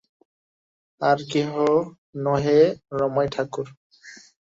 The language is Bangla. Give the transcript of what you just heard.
আর কেহ নহে, রমাই ঠাকুর।